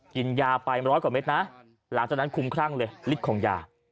กินยาไปร้อยกว่าเม็ดนะหลังจากนั้นคุ้มครั่งเลยฤทธิ์ของยา